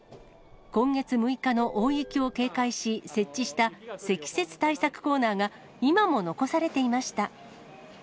今月６日の大雪を警戒し、設置した積雪対策コーナーが、今も残されていました。